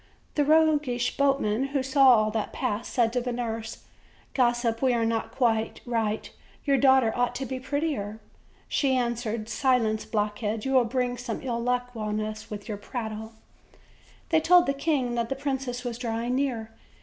The roguish boatman, who saw all that passed, said to the nurse: "Gossip, we are not quite right; your daugh ter ought to be prettier." She answered: "Silence, blockhead; you will bring some ill luck on us, with your prattle. ;' They told the king that the princess was drawing near.